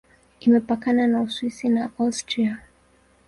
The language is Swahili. Imepakana na Uswisi na Austria.